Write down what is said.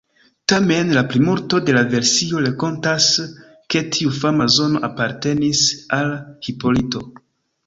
Tamen, la plimulto de la version rakontas ke tiu fama zono apartenis al Hipolito.